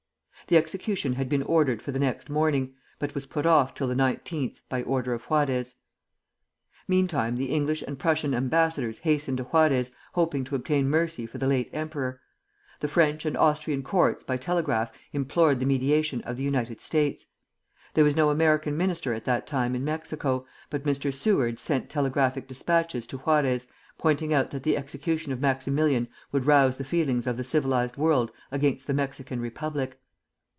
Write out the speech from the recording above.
The execution had been ordered for the next morning, but was put off till the 19th, by order of Juarez. Meantime the English and Prussian ambassadors hastened to Juarez, hoping to obtain mercy for the late emperor. The French and Austrian courts, by telegraph, implored the mediation of the United States. There was no American minister at that time in Mexico, but Mr. Seward sent telegraphic despatches to Juarez, pointing out that the execution of Maximilian would rouse the feelings of the civilized world against the Mexican Republic.